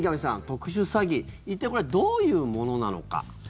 特殊詐欺一体これはどういうものなのか。